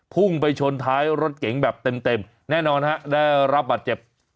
พุ่งไปชนท้ายรถเก๋งแบบเต็มแน่นอนฮะได้รับบาดเจ็บ